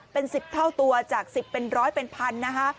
เป็น๑๐เท่าตัวจาก๑๐เป็นร้อยเป็นพันนะคะ